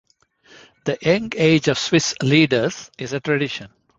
The young age of Swiss leaders is a tradition.